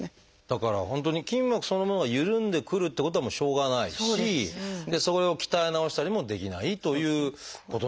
だから本当に筋膜そのものがゆるんでくるってことはもうしょうがないしそれを鍛え直したりもできないということなんですね。